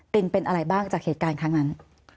ินเป็นอะไรบ้างจากเหตุการณ์ครั้งนั้น